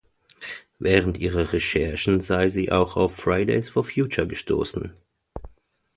Während ihrer Recherchen sei sie auch auf Fridays for Future gestoßen.